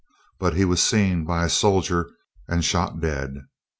But he was seen by a soldier and shot dead.